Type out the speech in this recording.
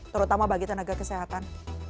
terutama bagi tenaga kesehatan